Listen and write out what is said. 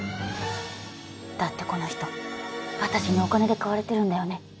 だってこの人私にお金で買われてるんだよね？